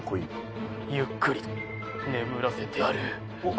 ゆっくりと眠らせてやる。